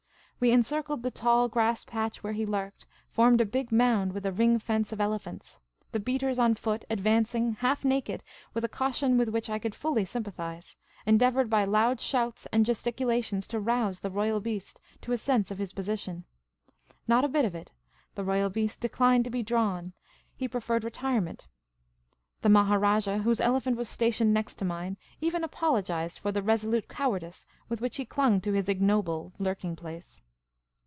We encircled the tall grass patch where he lurked, forming a big round with a ring fence of elephants. The beaters on foot, advancing, half naked, with a caution with which I could fully sym pathise, endeavoured l)y loud shouts and gesticulations to rouse the royal beast to a sense of his position. Not a bit of it ; the royal beast declined to be drawn ; he preferred retire ment. The Maharajah, whose elephant was stationed next to mine, even apologised for the resolute cowardice with which he clung to his ignoble lurking place.